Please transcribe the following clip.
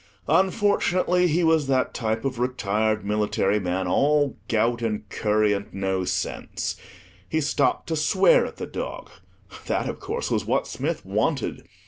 Unfortunately, he was that type of retired military man all gout and curry and no sense. He stopped to swear at the dog. That, of course, was what Smith wanted.